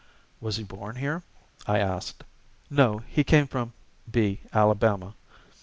Was he born here? I asked. No; he came from B , Alabama.